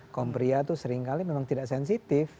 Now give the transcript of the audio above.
kaum pria itu seringkali memang tidak sensitif